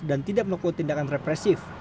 dan tidak melakukan tindakan represif